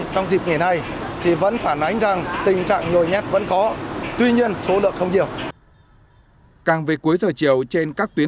càng về cuối giờ chiều trên các tuyến đường các nhà xe đã trở về hà nội